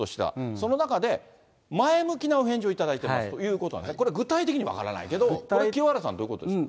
その中で、前向きなお返事を頂いたということは、これ、具体的には分からないけど、清原さん、どういうことですか？